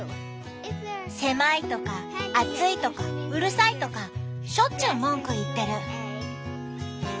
狭いとか暑いとかうるさいとかしょっちゅう文句言ってる。